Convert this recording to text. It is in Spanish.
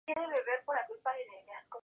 Su mayor valor es el de la sorpresa.